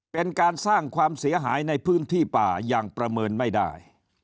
เป็นการสร้างความเสียหายในพื้นที่ป่าอย่างประเมินไม่ได้